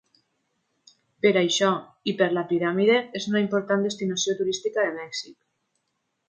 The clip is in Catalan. Per això, i per la piràmide, és una important destinació turística de Mèxic.